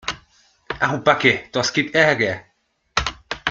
Au backe, das gibt Ärger.